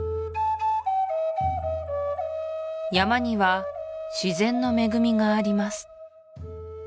山には自然の恵みがあります